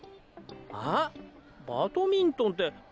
えっバトミントンって